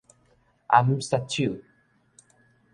阿姆殺手